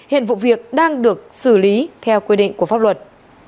hiện vụ việc đang được xử lý theo quy định của pháp luật